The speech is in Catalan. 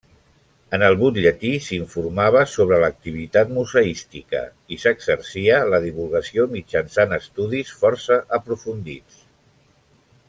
En el butlletí s'informava sobre l'activitat museística i s'exercia la divulgació mitjançant estudis força aprofundits.